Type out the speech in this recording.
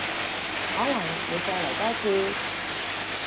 可能會再嚟多次